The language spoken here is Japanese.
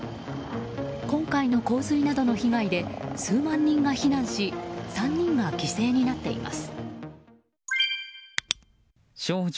今回の洪水などの被害で数万人が避難し３人が犠牲になっています。